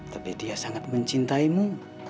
tapi dia sangat mencintaimu